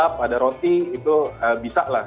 ada kebahan ada roti itu bisa lah